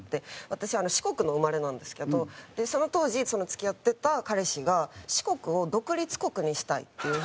私四国の生まれなんですけどその当時付き合ってた彼氏が四国を独立国にしたいっていう風にずっと。